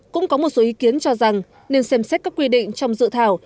cũng có một số ý kiến cho rằng nên xem xét các quy định trong dự thảo